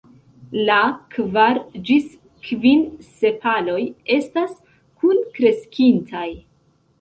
La kvar ĝis kvin sepaloj estas kunkreskintaj.